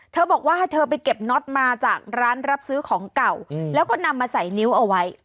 เธอบอกว่าเธอไปเก็บน็อตมาจากร้านรับซื้อของเก่าแล้วก็นำมาใส่นิ้วเอาไว้